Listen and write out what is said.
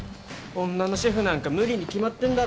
女のシェフなんか無理に決まってんだろ。